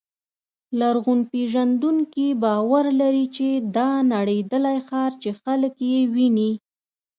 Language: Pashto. لرغونپېژندونکي باور لري چې دا نړېدلی ښار چې خلک یې ویني.